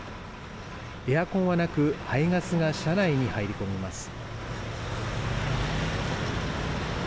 エアコンはなく排ガスが車内に入り込みます。